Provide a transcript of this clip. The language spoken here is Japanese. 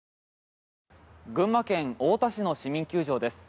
群馬県太田市の市民球場です。